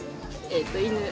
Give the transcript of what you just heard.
「犬」。